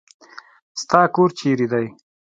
ستا کور چيري دی.